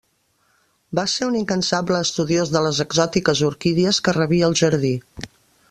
Va ser un incansable estudiós de les exòtiques orquídies que rebia el Jardí.